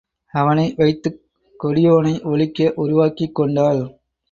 அவனை வைத்துக் கொடியோனை ஒழிக்க உருவாக்கிக் கொண்டாள்.